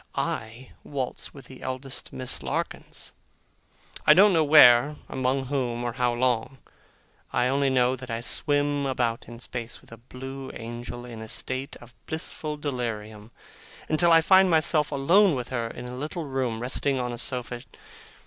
I waltz with the eldest Miss Larkins! I don't know where, among whom, or how long. I only know that I swim about in space, with a blue angel, in a state of blissful delirium, until I find myself alone with her in a little room, resting on a sofa.